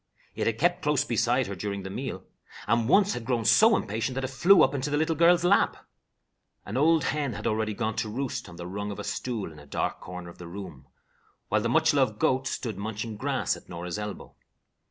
It had kept close beside her during the meal, and once had grown so impatient that it flew up into the little girl's lap. An old hen had already gone to roost on the rung of a stool in a dark corner of the room, while the much loved goat stood munching grass at Norah's elbow.